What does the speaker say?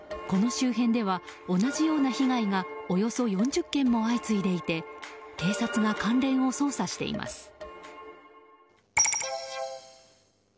この周辺では同じような被害がおよそ４０件も相次いでいて警察が関連を捜査しています。